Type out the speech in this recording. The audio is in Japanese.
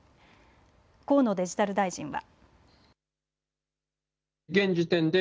河野デジタル大臣は。